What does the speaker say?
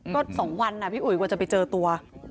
ก็๒วันนะพี่อุ๋ยกว่าจะไปเจอตัว